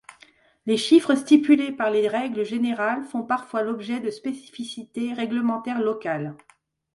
Les chiffres stipulés par les règles générales font parfois l'objet de spécificités réglementaires locales.